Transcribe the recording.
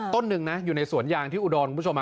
ต้นหนึ่งนะอยู่ในสวนยางที่อุดรคุณผู้ชม